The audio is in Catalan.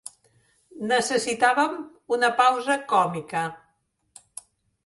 Necessitàvem una pausa còmica.